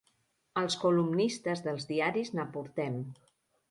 Els columnistes dels diaris n'aportem.